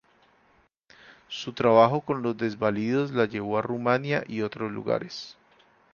Su trabajo con los desvalidos la llevó a Rumania y otros lugares.